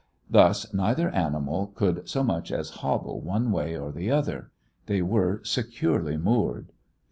Thus neither animal could so much as hobble one way or the other. They were securely moored.